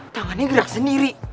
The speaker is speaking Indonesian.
tangannya gerak sendiri